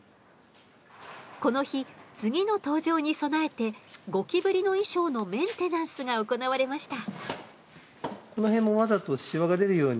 この日次の登場に備えてゴキブリの衣装のメンテナンスが行われました。